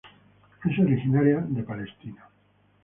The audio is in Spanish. Es originaria de Israel.